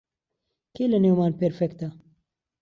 کێ لەنێومان پێرفێکتە؟